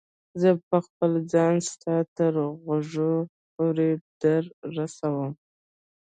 زه به خپل ځان ستا تر غوږو پورې در ورسوم.